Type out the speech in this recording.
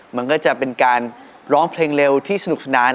มันก็จะเป็นการร้องเพลงเร็วที่สนุกสนาน